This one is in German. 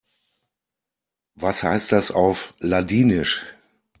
Was heißt das auf Ladinisch?